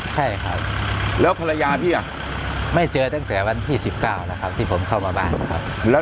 ใช่ครับแล้วภรรยาพี่ไม่เจอตั้งแต่วันที่๒๐๑๙เขาที่ผมเข้ามาบ้านแล้ว